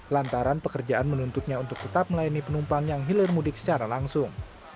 lantaran pekerjaan menuntutnya untuk tetap melayani penumpang yang hilir mudik secara langsung